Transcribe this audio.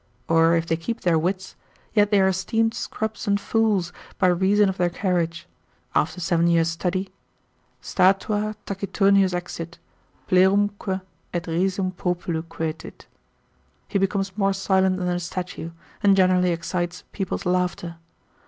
Or if they keep their wits, yet they are esteemed scrubs and fools by reason of their carriage: after seven years' study ———statua, taciturnius exit, Plerumque et risum populi quatit.——— He becomes more silent than a statue, and generally excites people's laughter.